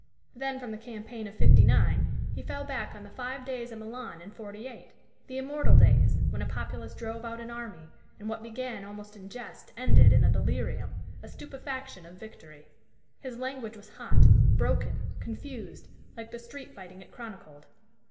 Then from the campaign of '59 he fell back on the Five Days of Milan in '48 the immortal days, when a populace drove out an army, and what began almost in jest ended in a delirium, a stupefaction of victory. His language was hot, broken, confused, like the street fighting it chronicled.